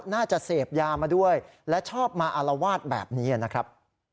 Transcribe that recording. น่าจะเสพยามาด้วยและชอบมาอารวาสแบบนี้นะครับ